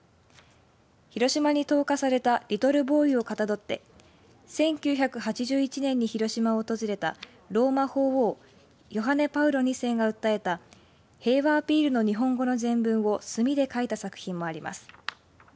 広島に投下されたリトル・ボーイをかたどって１９８１年に広島を訪れたローマ法王ヨハネ・パウロ２世が訴えた平和アピールの日本語の全文を墨で書いた作品もあります。